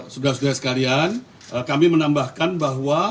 sudah sudah sekalian kami menambahkan bahwa